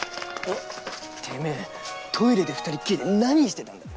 てめぇトイレで二人っきりで何してたんだ？